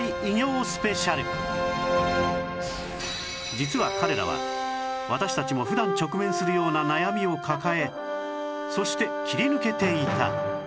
実は彼らは私たちも普段直面するような悩みを抱えそして切り抜けていた